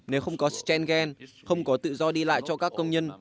nếu không có strengen không có tự do đi lại cho các công nhân